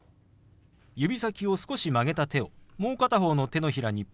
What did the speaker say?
指先を少し曲げた手をもう片方の手のひらにポンと置きます。